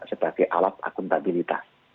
sebagai alat akuntabilitas